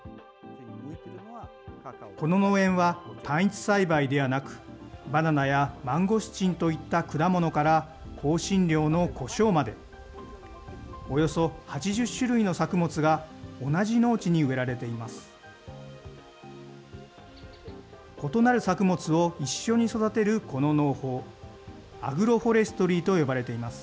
この農園は単一栽培ではなく、バナナやマンゴスチンといった果物から、香辛料のコショウまで、およそ８０種類の作物が同じ農地に植えられています。